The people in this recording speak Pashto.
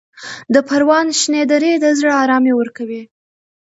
د پروان شنې درې د زړه ارامي ورکوي.